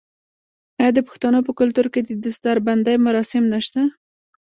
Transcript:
آیا د پښتنو په کلتور کې د دستار بندی مراسم نشته؟